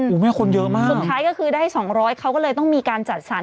โอ้โหแม่คนเยอะมากสุดท้ายก็คือได้สองร้อยเขาก็เลยต้องมีการจัดสรร